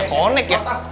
kan jadi gak onek ya